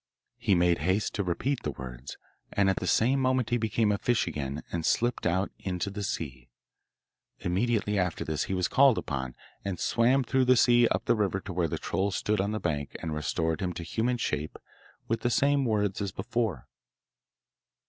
He made haste to repeat the words, and at the same moment he became a fish again and slipped out into the sea. Immediately after this he was called upon, and swam through the sea up the river to where the troll stood on the bank and restored him to human shape with the same words as before.